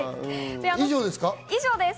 以上ですか？